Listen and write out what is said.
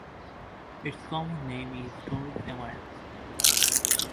Its common name is Torrey's Amaranth.